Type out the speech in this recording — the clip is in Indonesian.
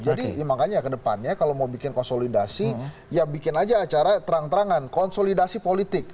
jadi makanya ke depannya kalau mau bikin konsolidasi ya bikin aja acara terang terangan konsolidasi politik